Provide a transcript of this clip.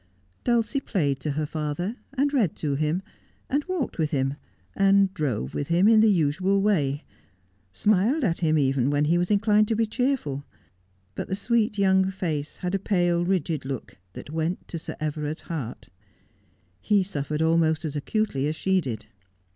Dulcie played to her father, and read to him, and walked 160 Just as I Am. with liim, and drove with him in the usual way ; smiled at him, even, when he was inclined to be cheerful ; but the sweet young face had a pale, rigid look, that went to Sir Everard's heart. He suffered almo3t as acutely as she did.